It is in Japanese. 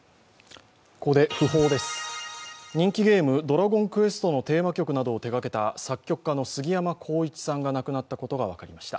人気ゲーム「ドラゴンクエスト」のテーマ曲などを手がけた作曲家のすぎやまこういちさんが亡くなったことが分かりました。